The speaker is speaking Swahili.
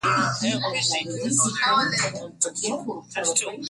Kanipata mwenye dhambi, kaniokoa.